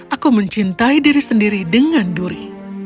aku mencintai diri sendiri dengan duri